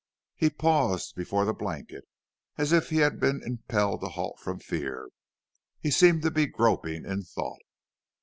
He paused before the blanket as if he had been impelled to halt from fear. He seemed to be groping in thought.